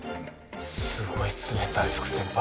すごいっすね大福先輩。